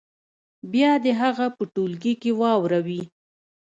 بیا دې هغه په ټولګي کې واوروي.